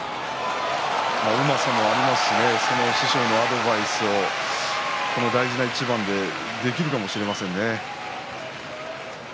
うまさもありますし師匠のアドバイスをこの大事な一番でできるかもしれませんね。